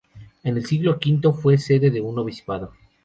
En el siglo V fue sede de un obispado.